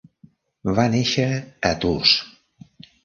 Va néixer a Tours.